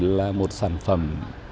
là một sản phẩm